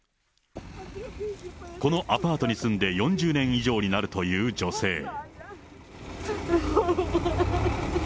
このアパートに住んで４０年以上になるという女性。